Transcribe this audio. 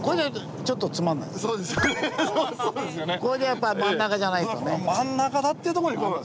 やっぱ真ん中じゃないとね。